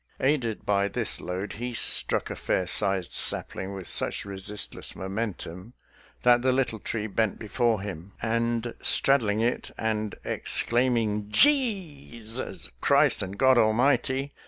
Aided by this load, he struck a fair sized sapling with such resistless momentum that the little tree bent before him, and, strad dling it and exclaiming, " Je e e sus Christ and God Almighty